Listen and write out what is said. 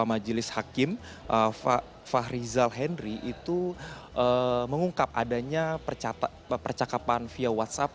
majelis hakim fahrizal henry itu mengungkap adanya percakapan via whatsapp